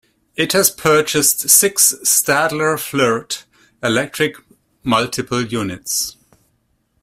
It has purchased six Stadler Flirt electric multiple units.